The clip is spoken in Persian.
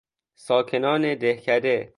ساکنان دهکده